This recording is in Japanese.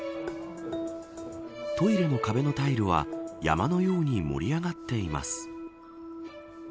トイレの壁のタイルは山のように盛り上がっています。